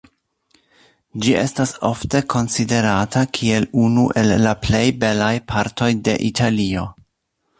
Ĝi estas ofte konsiderata kiel unu el la plej belaj partoj de Italio.